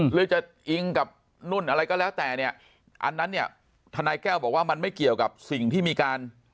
หรือจะอิงกับนุ่นอะไรก็แล้วแต่เนี่ยอันนั้นเนี่ยทนายแก้วบอกว่ามันไม่เกี่ยวกับสิ่งที่มีการ